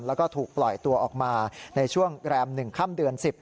แล้วก็ถูกปล่อยตัวออกมาในช่วงแรม๑ค่ำเดือน๑๐